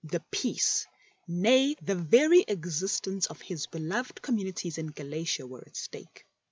The peace, nay, the very existence of his beloved communities in Galatia, were at stake.